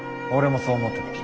俺もそう思ってた。